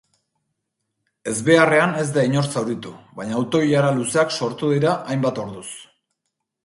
Ezbeharrean ez da inor zauritu, baina auto-ilara luzeak sortu dira hainbat orduz.